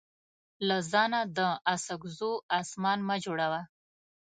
له ځانه د اڅکزو اسمان مه جوړوه.